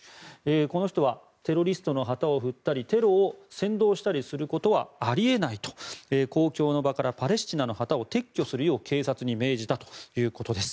この人はテロリストの旗を振ったりテロを扇動したりすることはあり得ないと公共の場からパレスチナの旗を撤去するよう警察に命じたということです。